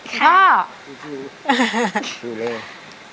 คุณพ่อ